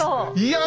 いや！